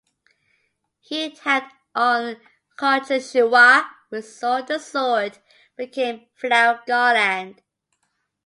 He attacked on Kottureshwar with Sword the sword became Flower Garland.